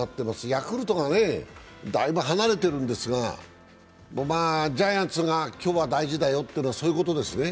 ヤクルトがだいぶ離れているんですがジャイアンツが今日は大事だよというのは、そういうことですね。